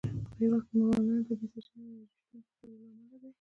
په هېواد کې منرالونه، طبیعي سرچینې او انرژي شتون د زلزلو له امله دی.